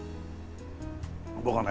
僕はね